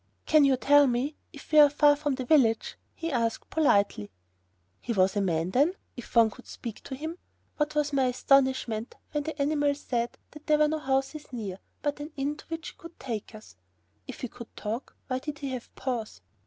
"Can you tell me if we are far from the village?" he asked, politely. He was a man, then, if one could speak to him! What was my astonishment when the animal said that there were no houses near, but an inn to which he would take us. If he could talk, why did he have paws?